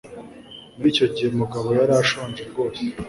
Muri icyo gihe, Mugabo yari ashonje rwose.